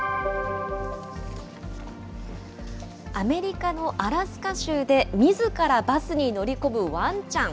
アメリカのアラスカ州でみずからバスに乗り込むワンちゃん。